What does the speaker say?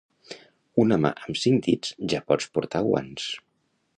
Una mà amb cinc dits ja pots portar guants.